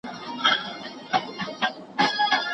پرسکروټو به وروړمه د تڼاکو رباتونه